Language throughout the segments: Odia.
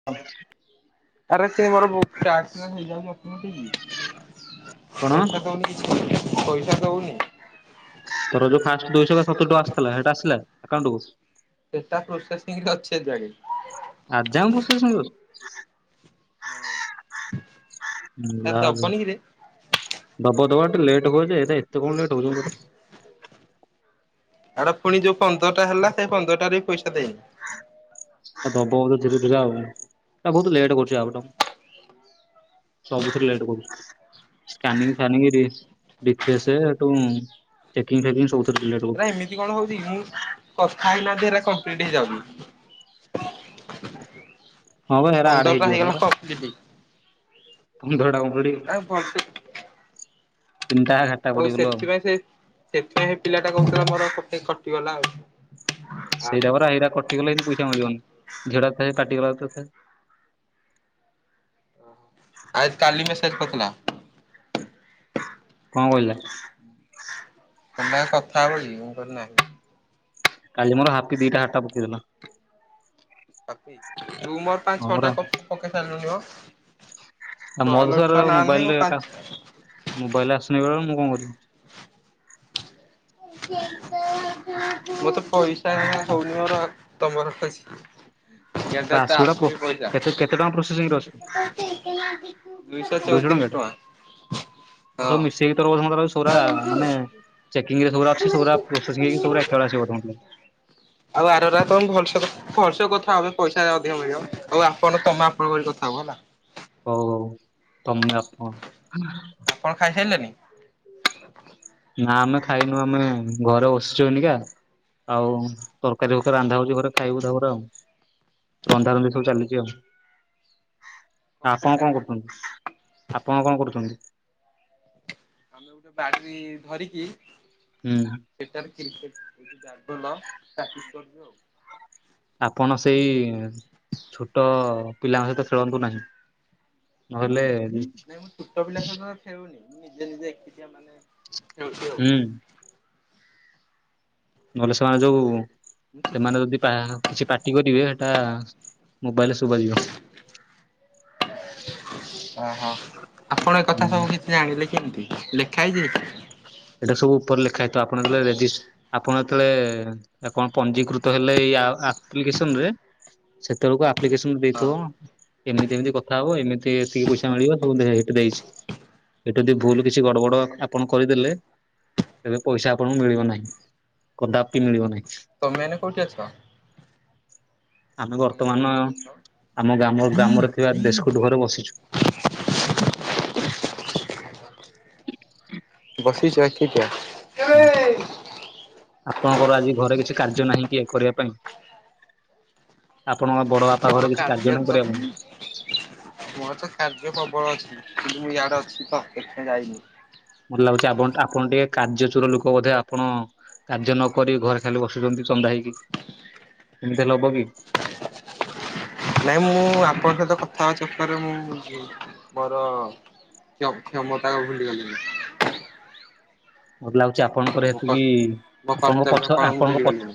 [unintelligible] ଆରେ ସେ ମୋରହୁ ହେଇଯାଉଛି ପଇସା କଣ ଦଉନି କି ପଇସା ଦୋଉନି? ତୋର ଯୋଉ ଫାଷ୍ଟ ଦୁଇଶହ ସତୁୁରୀ ଟଙ୍କା ଆଶିଥିଲା ସେଇଟା ଆସିଲା ଆକାଉଣ୍ଟ କୁ? ସେଟା ପ୍ରୋସେସିଂରେ ଅଛି ଆଜି ଯାଏ। ଆଜି ଯା ଏଁ ପ୍ରୋସେସିଂ ରେ ଅଛି? ତା ଦବବନି କିରେ? ଦବା ଦବାଟେ ଲେଟ୍ ହୁଅଛ ଏଟା ଏତେ କଣ ଲେଟ ହୋଉଚନ୍ତି କିରେ? ଆଡ ପୁଣି ଯୋଉ ପନ୍ଦରଟା ହେଲା ସେଇ ପନ୍ଦରଟାରେ ବି ପଇସା ଦେଇନି। ଆଉ ଦବ ବୋଧେ ଧୀରେ ଧୀରେ ଆଉ ବୋହୁତ ଲେଟ୍ କରୁଛି ଆଉ ତ ସବୁଥିରେ ଲେଟ କରୁଚି। ସ୍କାନିଙ୍ଗ ଫାନିଙ୍ଗ୍ ଦେଇଛି ରିଫ୍ରେସ ଚେକିଙ୍ଗ ଫେକିଙ୍ଗ ସବୁ ଥିରେ ରିଲେଟ ଏରା ହୋଉଚି। ଏମିତି କଣ ହୋଉଚି ମୁଁ କଥା ହେଇନାହାନ୍ତି ହେରା କମ୍ପ୍ଟ ହେଇଯାଉଚି। ହଁ ବା ଏରା ଆଡେ ପନ୍ଦରଟା ହେଇଯିବପା ହେଇଗଲା ପରା କମ୍ପ୍ଲିଟ ତମ ହେଟା କପ୍ଲିଟି [unintelligible] ଚିନ୍ତାା ଘଟ ହୋଉ ସେଥିପାଇଁ ସେ ସେଥିପାଇଁ ସେ ପିଲାଟା କୋହୁଥିଲା ମୋର ଗୋଟେ କଟିଗଲା ଆଉ। ଆଡ୍ ସେଇଟା ହେଇଗଲା। ପଇରା ଏରା କଟିଗଲେ ଏମିତି ପଇସା ମିଳିବନି ଝିଅ ଟା ଥାଏ ପାଟିଗଲା ଥାଏ ଆଜ କାଲି ମେସେଜ କରିଥିଲା। କଣ କହିଲା? ତମେ ଆଉ କଥା ହେବକି ମୁଁ କହିଲି ନାହି। କାଲି ମୋର ହାପି ଦିଇଟା ହାଟା ପକେଇଦଲ। ରୁ ମର ପାଞ୍ଚ ହଁ ଛଅଟା ପରା କପି ପକେଇ ସାରିଲୁନି ମ। ଆଉ ତ ମୋ ଲୋ ଦୋଷରେ ଛୁଆ ନାଁ ନାହିଁ ଙ୍କ ମୋବାଇଲରେ ପାଞ୍ଚ ମୋବାଇଲ ଆଶୁନେଇ ବେଳେ ବେଳେ ମୁଁ କଣ କରିବି। [inaudible] ମତେ ପଇସା ଜମା ହୋଉନି ମୋର ତମ ପାଖ ଆଜ୍ଞା ତ ଆସିବ ଗୋଟା ପ୍ରୋ ଆସୁନି ପଇସା କେତେ କେତେ ଟଙ୍କା ପ୍ରୋସେସିଂରେ ଅଛି ଦୁଇଶହ ଦୁଇଶହ ଚଉତିରିଶ ଟଙ୍କାଟେ ଟଙ୍କା। ଆଉ ସବୁ ହଁ। ମିଶେଇକି ତୋର ବୋଧେ ମତେ ଲାଗୁଚି ସେଗୁରା ମାନେ ଚେକିଙ୍ଗରେ ଯୋଉଁଗୁରା ଅଛି ସବୁଗୁରା ପ୍ରୋସେସିଂ ହେଇକି ସବୁଗୁରା ଏକାବେଳେ ଆସିବ ବୋଧେ ମତେ। ଆଉ ଆରରା ତ କଣ ଭଲସ ତ ଖର୍ଚ୍ଚ କଥା ହବେ ପଇସାା ଅଧିକ ମିଳିବ ଆଉ ଆପଣ ତମା ଆପଣଙ୍କ କଥା ହବ ହେଲା। ହୋଉ ହୋଉ ତମେ ଆପଣ। କଣ ଖାଇସାରିଲେଣିି? ନା ଆମେ ଖାଇନୁ ଆମେ ଘରେ ବସିଛୁନିକା। ଆଉ ତରକାରୀ ଫରକାରୀ ରାନ୍ଧା ହଉଛି ଘରେ ଖାଇବୁ ତାପରେ ଆଉ। ରନ୍ଧା ରନ୍ଧି ସବୁ ଚାଲିଛି ଆଉ। ଆପଣ ତରକାରୀ କଣ କରୁଛ? କରୁଛନ୍ତି ଆପଣ କଣ କରୁଛନ୍ତି? ବାଜି ଧରିକି ହୁଁ ସେଟାରେ କ୍ରିକେଟ ପ୍ରାଟିସ କରିବି ଆଉ। ଆପଣ ସେଇ ଛୋଟ ପିଲାଙ୍କ ସହିତ ଖେଳନ୍ତୁ ନାହିଁ। ନହେଲେ ମୁଁ ଛୋଟପିଲାଙ୍କ ସହ ଖେଳୁନି। ମୁଁ ନିଜେ ନିଜେ ଏକୁଟିଆ ମାନେ ହେଉଛି ଆଉ ହୁଁ ନହଲେ ସେମାନେ ଯୋଉ ସେମାନେ ଯଦି କିଛି ପାଟି କରିବେ ସେଟା ମୋବାଇଲରେ ଶୋଭାଯିବ। ଓହୋ ଆପଣ ଏ ହୁଁ କଥା ସବୁ କିଛି ଜାଣିଲେ କେମିତି ଜାଣିଲେ କି? ଲେଖା ହେଇଛି? ଏସଵୁ ଉପରେ ଲେଖାହେଇଥିବ ଆପଣ ଯେତେବେଳେ ରେଜିଷ୍ଟର ଆପଣ ଯେତେବେଳେ କଣ ପଞ୍ଜୀକୃତ ହେଲେ ଏଇ ଆପ୍ଲିକସନରେ ସେତେବେଳକୁ ଆପ୍ଲିକେସନ ହଁ ଦେଇଥିବ। ଏମିତି ଏମିତି କଥା ହବ ଏମିତି ଏତିକି ପଇସା ମିଳିବ ସବୁ ଦେ ଦେଇଛି। ଏଠୁ ଯଦି ଭୁଲ କିଛି ଗଡ଼ ବଡ ଆପଣ କରିଦେଲେ ତେବେ ପଇସା ଆପଣଙ୍କୁ ମିଳିବ ନାହିଁ କଦାପ କି ମିଳିବ ନାହିଁ। ତମେ ଏଇନା କୋଉଠି ଅଛ? ଆମେ ତମେ ବର୍ତ୍ତମାନ ଏଇନା କୋଉଠି ଅଛ? ଆମ ଗ୍ରାମ ଗ୍ରାମରେ ଥିବା ଦେଶକୁଟୁ ଘରେ ବସିଛୁ। ବସିଛ କେ କ ଆପଣଙ୍କର ଆଜି ଘରେ କିଛି କାର୍ଯ୍ୟ ନାହିଁ କି କରିବା ପାଇଁ? ଆପଣଙ୍କ ବଡ ଘରେ ହଁ କିଛି କାର୍ଯ୍ୟ ନାହିଁ ତ କରିବା ପାଇଁ? ମୋର ତ କାର୍ଯ୍ୟ ପ୍ରବଳ ଅଛି କିନ୍ତୁ ମୁଁ ୟାଡେ ଅଛି ତ ସେଥିପାଇଁ ଯାଇନି। ମତେ ଲାଗୁଛି ଆପ ଆପଣ ଟିକେ କାର୍ଯ୍ୟଚୋର ଲୋକ ବୋଧେ, ଆପଣ କାର୍ଯ୍ୟ ନକ ଘରେ ଖାଲି ବସୁଛନ୍ତି ଚନ୍ଦା ହେଇକି ଏମିତି ହେଲେ ହବ କି? ନାଇଁ ମୁଁ ଆପଣଙ୍କ ସହିତ କଥା ହବା ଚକରରେ ମୁଁ ମୋର ସବୁ କ୍ଷମତାକୁ ଭୁଲିଗଲେଣି। ମୋତେ ଲାଗୁଛି ଆପଣଙ୍କର ମୋ କ ମୋ ଏତିକିତମ କର୍ତ୍ତବ୍ୟ ପଛ କଣ ନା ମୁଁ ଆପଣଙ୍କ ପଛ ଭୁଲିଗଲିଣି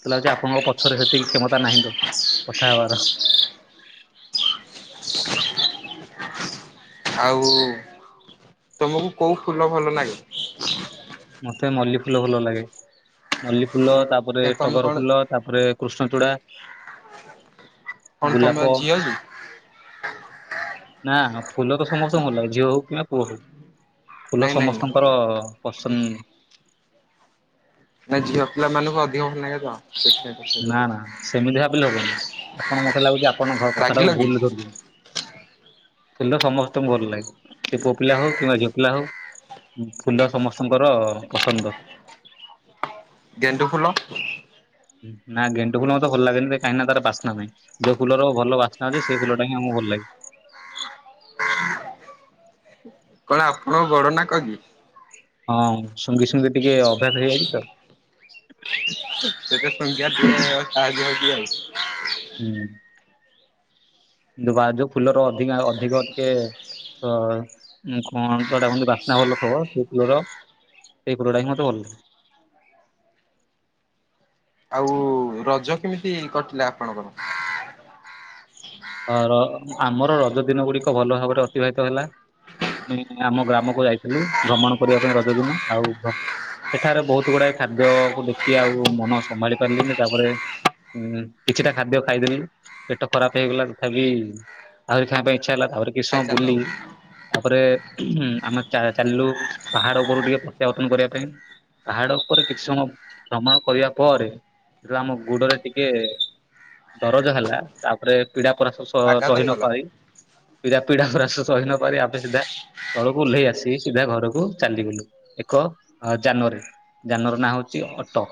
ମତେ ଲାଗୁଛି ଆପଣଙ୍କ ପଛରେ ସେତିକି କ୍ଷମତା ନାହିଁ କଥା ହବାର। ଆଉ ତମକୁ କୋଉ ଫୁଲ ଭଲ ଲାଗେ? ମତେ ମଲ୍ଲି ଫୁଲ ଭଲ ଲାଗେ ‌। ମଲ୍ଲି ଫୁଲ ତାପରେ ତମେ ଟଗର କଣ ଫୁଲ ତାପରେ କୃଷ୍ଣଚୂଡ଼ା, କଣ ତମ ଗୋଲାପ ଝିଅ କି? ନା ଫୁଲ ତ ସମସ୍ତଙ୍କୁ ଭଲ ଲାଗେ। ଝିଅ ହଉ କିମ୍ବା ପୁଅ ହଉ ଫୁଲ ନାଇଁ ନାଇଁ ସମସ୍ତଙ୍କର ପସ ନାଇଁ ଝିଅ ପିଲା ମାନଙ୍କୁ ଅଧିକ ଭଲ ଲାଗେ ତ ସେଥିପାଇଁ ନା ପଚାରିଦେଲି। ନା ସେମିତି ଭାବିଲେ ହବନି। ଆପଣ ମତେ ଲାଗୁଛି ଆପଣଙ୍କ ରାଗିଲ କଥାଟାକୁ କି ଭୁଲ ଧରୁଛନ୍ତି। ଫୁଲ ସମସ୍ତଙ୍କୁ ଭଲ ଲାଗେ ସେ ପୁଅପିଲା ହଉ କିମ୍ବା ଝିଅପିଲା ହଉ। ଫୁଲ ସମସ୍ତଙ୍କର ପସନ୍ଦ। ଗେଣ୍ଡୁ ଫୁଲ ନା ଗେଣ୍ଡୁ ଫୁଲ ମତେ ଭଲ ଲାଗେନି। କାହିଁକି ନା ତାର ବାସ୍ନା ନାହିଁ। ଯୋଉ ଫୁଲର ଭଲ ବାସ୍ନା ଅଛି ସେଇ ଫୁଲଟା ହିଁ ଆମକୁ ଭଲ ଲାଗେ। କଣ ଆପଣଙ୍କ ବଡ ନାକ କି? ହଁ ଶୁଙ୍ଘି ଶୁଙ୍ଘି ଟିକେ ଅଭ୍ୟାସ ହେଇଯାଇଛି ତ ସେତ [unintelligible] ସାହାଜ୍ୟ ହଉଛି ଆଉ ହୁଁ ବା ଯୋଉ ଫୁଲର ଅଧିକା ଅଧିକ ଟିକେ ତ କଣତ ହେଟା କୁହନ୍ତି ବାସ୍ନା ଭଲ ଖବର ସେ ଫୁଲର ସେଇ ଫୁଲଟା ହିଁ ମୋତେ ଭଲ ଲାଗେ। ଆଉ ରଜ କେମିତି କଟିଲା ଆପଣଙ୍କର ହ ର ଆମର ରଜ ଦିନଗୁଡିକ ଭଲ ଭାବରେ ଅତିବାହିତ ହେଲା। ଆ ଆମ ଗ୍ରାମକୁ ଯାଇଥିଲୁ ଭ୍ରମଣ କରିବା ପାଇଁ ରଜ ଦିନ ଆଉ ସେଠାରେ ବହୁତ ଗୁଡାଏ ଖାଦ୍ୟକୁ ଦେଖି ଆଉ ମନ ସମ୍ଭାଳି ପାରିଲିନି ତାପରେ ହୁଁ କିଛିଟା ଖାଦ୍ୟ ଖାଇଦେଲି ପେଟ ଖରାପ ହେଇଗଲା। ତଥାପି ଆହୁରି ଖାଇବା ପାଇଁ ଇଚ୍ଛା ହେଲା ତାପରେ କିଛି ସମୟ ଖାଇଚାଲିଲ ଆଉ ବୁଲି ତାପରେ ଉଁ ଆମେ ଚାଲିଲୁ ପାହାଡ ଉପରୁ ଟିକେ ପ୍ରତ୍ୟାବର୍ତ୍ତନ କରିବା ପାଇଁ। ପାହାଡ ଉପରେ କିଛି ସମୟ ଭ୍ରମଣ କରିବା ପରେ ଆମ ଗୁଡରେ ଟିକେ ଦରଜ ହେଲା ତାପରେ ପୀଡା ପରାସ ଆଘାତ ସହି ହେଇଗଲା। ନପାରି ପୀଡ଼ା ପୀଡା ପରାସ ସହି ନ ପାରି ଆମେ ସିଧା ତଳକୁ ଓହ୍ଲେଇ ଆସି ସିଧା ଘରକୁ ଚାଲିଗଲୁ ଏକ ଯାନରେ ଯାନର ନାଁ ହଉଛି ଅଟ।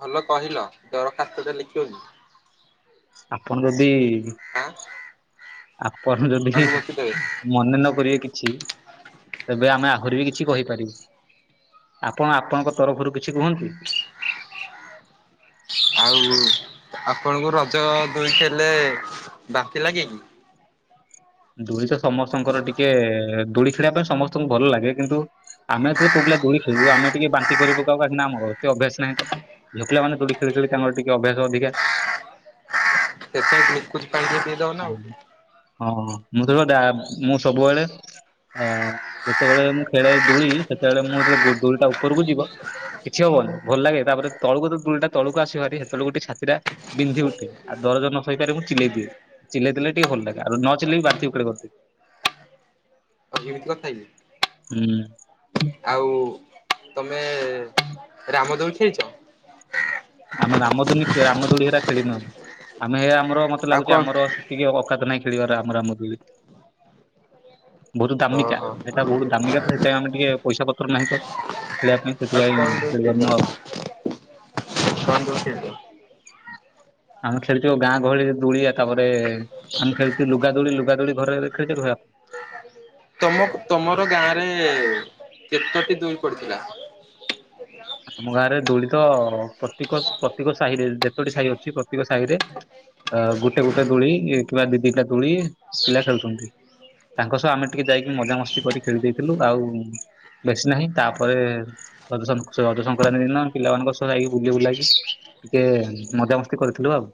ଭଲ କହିଲ ଦରଖାସ୍ତଟେ ଲେଖିବ କି? ଆପଣ ଯଦି ଆଁ ଆପଣ ଯଦି? ଅନୁମତି ଦେବେ। ମନେ ନ କରିବେ କିଛି ତେବେ ଆମେ ଆହୁରି ବି କିଛି କହିପାରିବୁ। ଆପଣ ଆପଣଙ୍କ ତରଫରୁ କିଛି କୁହନ୍ତୁ। ଆଉ ଆପଣଙ୍କୁ ରଜ ଦୋଳି ଖେଳିଲେ ବାନ୍ତି ଲାଗେ କି? ଦୋଳି ତ ସମସ୍ତଙ୍କର ଟିକେ ଦୋଳି ଖେଳିବା ପାଇଁ ସମସ୍ତଙ୍କୁ ଭଲ ଲାଗେ କିନ୍ତୁ ଆମେ ତ ପୁଅପିଲା ଦୋଳି ଖେଳୁ ଆମେ ଟିକେ ବାନ୍ତି କରିପକାଉ କାହିକିନା ଆମର ଏତେ ଅଭ୍ୟାସ ନାହିଁ ତ ଝିଅପିଲାମାନେ ଦୋଳି ଖେଳି ଖେଳି ତାଙ୍କର ଟିକେ ଅଭ୍ୟାସ ଅଧିକା। [unintelligible] ଗ୍ଲୁକୋଜ୍ ପାଣିଟିକେ ପିଇ ଦେବନା ଆଉ ହଁ ମୁଁ ତ ମୁଁ ସବୁବେଳେ ହଁ ଯେତେବେଳେ ମୁଁ ଖେଳେ ଦୋଳି ସେତେବେଳେ ମୁଁ ଯେତେବେଳେ ଦୋଳିଟା ଉପରକୁ ଯିବ। କିଛି ହବନି ଭଲ ଲାଗେ ତାପରେ ତଳକୁ ତ ଦୋଳିଟା ତଳକୁ ଆସେଭାରି ସେତେବେଳକୁ ଟିକେ ଛାତିଟା ବିନ୍ଧି ଉଠେ ଆଉ ଦରଜ ନ ସଇପାରେ ମୁଁ ଚିଲେଇ ଦିଏ ଚିଲେଇ ଦେଲେ ଟିକେ ଭଲ ଲାଗେ ଆଉ ନ ଚିଲେଇ ବି ବା ଆଉ ଏମିତି କଥା କି ହୁଁ ଆଉ ତମେ ରାମଦେଳି ଖେଳିଛ? ଆମେ ରାମଦୁନି ରାମଦୁଳି ହେରା ଖେଳିନୁ ଆମେ ହେ ଆମର ମତେ ଆଉ ଲାଗୁଛି କଣ? ଆମର ଟିକେ ଅକାତ ନାଇଁ ଖେଳିବାର ଆମରାମ। ବହୁତ ଦାମିକା ଓହୋ ଏଇଟା ବହୁତ ଦାମିକା ତ ସେଥିପାଇଁ ଆମେ ଟିକେ ପଇସା ପତ୍ର ନାହିଁ ତ ଖେଳିବା ପାଇଁ ଆଉ ସେଥିପାଇଁ କଣ ଦଉଥିଲେ ଖେଳିପାରୁନୁ ଆଉ। [unintelligible] ଆମେ ଖେଳିଛୁ ଗାଁ ଗହଳିରେ ଦୁଳିଆ ତାପରେ ଆମେ ଖେଲିଛୁ ଲୁଗା ଦୋଳି ଲୁଗା ଦୋଳି ଘରେ ଘରେ ଖେଳିଛ। [unintelligible] ତମ ତମର ଗାଁ ରେ କେତୋଟି ଦୋଳି ପଡିଥିଲା? ଆମ ଗାଁ ରେ ଦୋଳିିତ ପ୍ରତେକ ପ୍ରତ୍ୟେକ ସାହିରେ ଯେତୋଟି ସାହି ଅଛି ପ୍ରତ୍ୟେକ ସାହିରେ ଅ ଗୋଟେ ଗୋଟେ ଦୋଳି କିମ୍ବା ଦି ଦିଟା ଦୋଳି ପିଲା ଖେଳୁଛନ୍ତି। ତାଙ୍କ ସହ ଆମେ ଟିକେ ଯାଇକି ମଜା ମସ୍ତି କରି ଖେଳି ଦେଇଥିଲୁ ଆଉ ବେଶୀ ନାହିଁ ତାପରେ ପ୍ରଦୂଷଣ ରଜ ସଂକ୍ରାନ୍ତି ଦିନ ପିଲାମାନଙ୍କ ସହ ଯାଇକି ବୁଲି ବୁଲାକି ଟିକେ ମଜାମସ୍ତି କରିଥିଲୁ ଆଉ।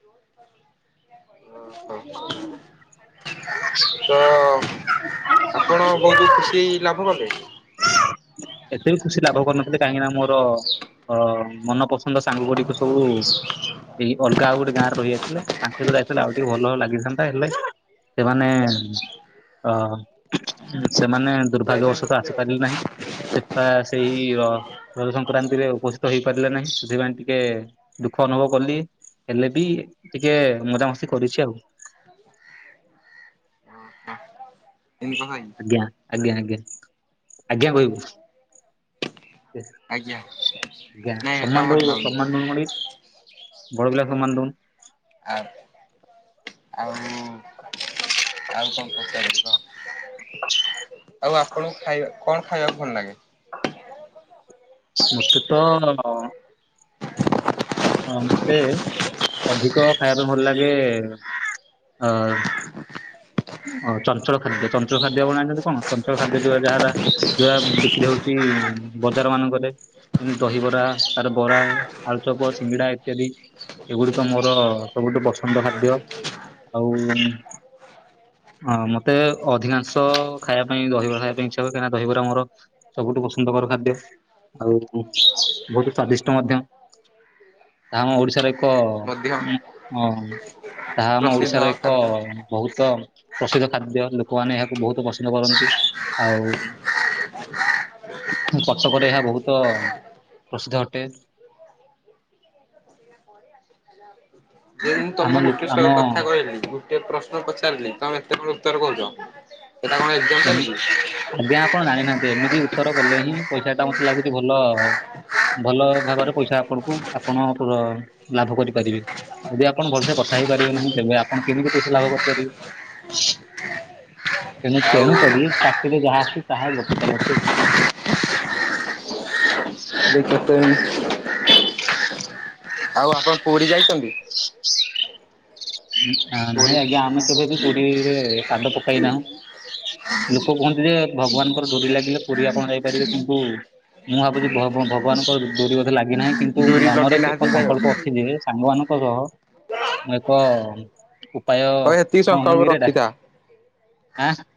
[inaudible] ଓ ହୋ ତ ଆପଣ ବହୁତ ଖୁସି ଲାଭ କଲେ। ଏତେ ବି ଖୁସି ଲାଭ କରିୁନଥିଲି କାହିଁକି ନା ମୋର ହଁ ମନପସନ୍ଦ ସାଙ୍ଗ ଗୁଡିକ ସବୁ ଏଇ ଅଲଗା ଆଉ ଗୋଟେ ଗାଁ ରେ ରହିଯାଇଥିଲେ ତାଙ୍କ ସହିତ ଯାଇଥିଲେ ଆଉ ଟିକେ ଭଲ ଲାଗିଥାନ୍ତା ହେଲେ ସେମାନେ ଅ ସେମାନେ ଦୁର୍ଭାଗ୍ୟବଶତଃ ଯାଇପାରିନଥିଲେ ଆସି ଆଉ। ପିଲ ନାହିଁ [unintelligible] ସେପା ସେଇ ର ସଂକ୍ରାନ୍ତିରେ ଉପସ୍ଥିତ ହେଇପାରିଲେ ନାହିଁ ସେଥିପାଇଁ ଟିକେ ଦୁଃଖ ଅନୁଭବ କଲି ହେଲେ ବି ଟିକେ ମଜାମସ୍ତି କରିଛି ଆଉ। ଏମିତି କଥା କି ଆଜ୍ଞା ଆଜ୍ଞା ଆଜ୍ଞା ଆଜ୍ଞା କହିବୁ। ଆଜ୍ଞା ନାଇଁ ଆଞ ହେଟା ଭଲ ସମ୍ବନ୍ଧ ଲାଗୁନି ସମ୍ବନ୍ଧ [unintelligible] ଭଡ଼ଗିଲ ସମାନ ଦନ। ଆ [unintelligible] ଆଉ ଆଉ କଣ ପଚାରିବି କହ? [inaudible] ଆଉ ଆପଣଙ୍କୁ ଖାଇବା କଣ ଖାଇବାକୁ ଭଲ ଲାଗେ? ମତେ ତ ଅ ହଁ ମତେ ଅଧିକ ଖାଇବା ଭଲ ଲାଗେ ଅ ଓ ଚଞ୍ଚଳ ଖାଦ୍ୟ ଚଞ୍ଚଳ ଖାଦ୍ୟ ଆପଣ ଜାଣିଛନ୍ତି କଣ ଚଞ୍ଚଳ ଖାଦ୍ୟ ଯୋଉ ଯାହାରା ଯଉ ବିକ୍ରି ହଉଛି ବଜାର ମାନଙ୍କରେ ଏମିତି ଦହିବରା ତାର ବରା, ଆଳୁଚପ, ସିଙ୍ଗିଡା ଇତ୍ୟାଦି ଏଗୁଡିକ ମୋର ସବୁଠୁ ପସନ୍ଦ ଖାଦ୍ୟ ଆଉ ହଁ ମତେ ଅଧିକାଂଶ ଖାଇବା ପାଇଁ ଦହିବରା ଖାଇବା ପାଇଁ ଇଚ୍ଛା ହୁଏ କାହିଁକି ନା ଦହିବରା ମୋର ସବୁଠୁ ପସନ୍ଦକର ଖାଦ୍ୟ ଆଉ ବହୁତ ସ୍ଵାଦିଷ୍ଟ ମଧ୍ୟ। ଆମ ଓଡିଶାରେ ଏକ ମଧ୍ୟ ହଁ ତାହା ଆମ ପ୍ରସିଦ୍ଧ ଓଡିଶାର ଏକ ଖାଦ୍ୟ। ବହୁତ ତ ପ୍ରସିଦ୍ଧ ଖାଦ୍ୟ ଲୋକମାନେ ଏହାକୁ ବହୁତ ପସନ୍ଦ କରନ୍ତି ଆଉ କଟକରେ ଏହା ବହୁତ ପ୍ରସିଦ୍ଧ ଅଟେ। ହଁ ଯେ [unintelligible] ତମକୁ ମୁଁ ଗୋଟେ କଥା କହିଲି ଗୋଟେ ପ୍ରଶ୍ନ ପଚାରିଲି ତମେ ଏତେ କଣ ଉତ୍ତର କହୁଛ। ସେଟା କଣ ଏକ୍ସଜାମ ଏମି ଚାଲିଛି? ଆଜ୍ଞା ଆପଣ ଜାଣିନାହାନ୍ତି ଏମିତି ଉତ୍ତର କଲେ ହିଁ ପଇସା ଟା ମତେ ଲାଗୁଛି ଭଲ ଭଲ ଭାବରେ ପଇସା ଆପଣଙ୍କୁ ଆପଣ ଲାଭ କରିପାରିବେ। ଯଦି ଆପଣ ଭଲସେ କଥା ହେଇପାରିବେ ନାହିଁ ତେବେ ଆପଣ କେମିତି ପଇସା ଲାଭ କରିପାରିବେ। ତେଣୁ ଆଉ ତେଣୁ କରି ପାଟିରେ ଯାହା ଆସୁଛି ତାହା ଗପି ଚାଲନ୍ତୁ। ଦେଖ ଏ ଆଉ ଆପଣ ପୁରୀ ଯାଇଛନ୍ତି। ନହିଁ ପୁରୀ ଆଜ୍ଞା ଆମେ କେବେ ବି ପୁରୀରେ ପାଦ ପକେଇନାହୁଁ। ଲୋକ କୁହନ୍ତି ଯେ ଭଗବାନଙ୍କର ଡୋରି ଲାଗିଲେ ପୁରୀ ଆପଣ ଯାଇପାରିବେ କିନ୍ତୁ। ମୁଁ ଭାବୁଛି ଭଗବାନଙ୍କ ଡୋରି ବୋଧେ ଲାଗିନାହିଁ କିନ୍ତୁ ଡୁରି ମନର ଲଗେଇ ନାହାନ୍ତି ଏକ ଯାକ ସଂକଳ୍ପ ଅଛି ଯେ। ସାଙ୍ଗମାନଙ୍କର ହ ଉପାୟ ହଉ ସେତିକି କ ସଂକଳ୍ପ କହନ୍ତି କିରେ ହେଇଟା ରଖିଥା। ଆଁ?